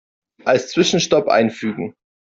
Als Zwischenstopp einfügen.